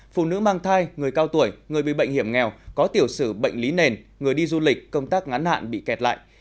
phụ nữ mang thai người cao tuổi người bị bệnh hiểm nghèo có tiểu sử bệnh lý nền người đi du lịch công tác ngắn hạn bị kẹt lại